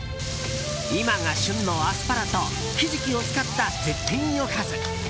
今が旬のアスパラとヒジキを使った絶品おかず。